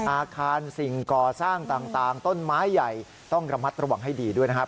อาคารสิ่งก่อสร้างต่างต้นไม้ใหญ่ต้องระมัดระวังให้ดีด้วยนะครับ